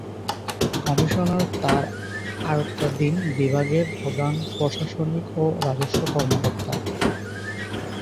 Commissioner তার আওতাধীন বিভাগের প্রধান প্রশাসনিক ও রাজস্ব কর্মকর্তা।